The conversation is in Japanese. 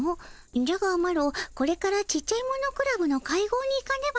じゃがマロこれからちっちゃいものクラブの会合に行かねばならぬでの。